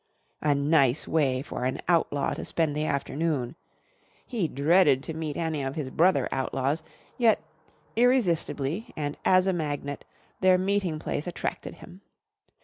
A nice way for an Outlaw to spend the afternoon! He dreaded to meet any of his brother outlaws, yet, irresistibly and as a magnet, their meeting place attracted him.